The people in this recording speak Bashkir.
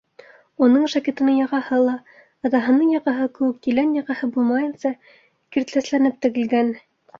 Уның жакетының яғаһы ла, атаһының яғаһы кеүек елән яғаһы булмайынса, киртләсләнеп тегелгән.